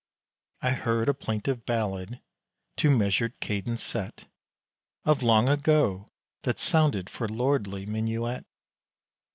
I heard a plaintive ballad, to measured cadence set, Of long ago, that sounded for lordly minuet!